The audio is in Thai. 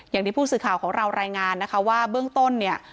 อย่างที่ผู้สื่อข่าวของเรารายงานนะคะว่าเบื้องต้นเนี่ย